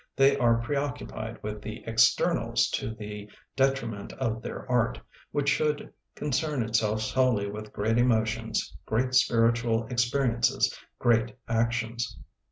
They are preoccu pied with the externals to the detri ment of their art, which should con cern itself solely with "great emotions, great spiritual experiences, great ac tions".